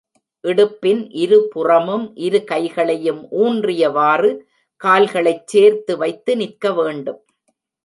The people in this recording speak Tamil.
இடுப்பின் இரு புறமும் இரு கைகளையும் ஊன்றியவாறு, கால்களைச் சேர்த்து வைத்து நிற்க வேண்டும்.